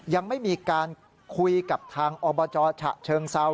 ยังไม่มีการคุยกับทางอบจฉะเชิงเซา